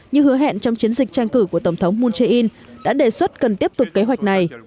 như hứa hẹn trong chiến dịch tranh cử của tổng thống moon jae in đã đề xuất cần tiếp tục kế hoạch này